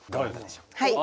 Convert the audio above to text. はい。